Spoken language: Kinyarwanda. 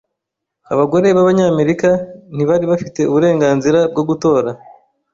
Abagore b'Abanyamerika ntibari bafite uburenganzira bwo gutora.